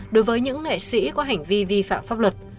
đối với những nghệ sĩ có hành vi vi phạm pháp luật